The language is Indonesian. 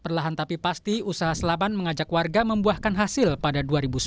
perlahan tapi pasti usaha selaban mengajak warga membuahkan hasil pada dua ribu sembilan belas